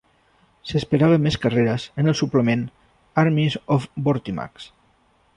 S'esperaven més carreres en el suplement "Armies of Vortimax".